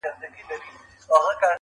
کله ټال کي د خیالونو زنګېدلای-